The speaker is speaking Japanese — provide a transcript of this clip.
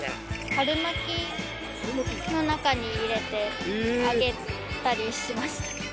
春巻きの中に入れて揚げたりしました。